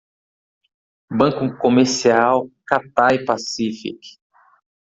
Banco Comercial Cathay Pacific